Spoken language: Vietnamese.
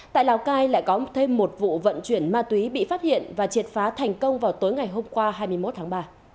tại lào cai lại có thêm một vụ vận chuyển ma túy bị phát hiện và triệt phá thành công vào tối ngày hôm qua hai mươi một tháng ba